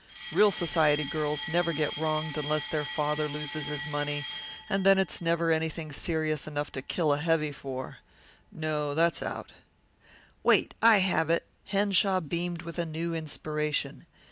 Real society girls never get wronged unless their father loses his money, and then it's never anything serious enough to kill a heavy for. No that's out." "Wait, I have it." Henshaw beamed with a new inspiration.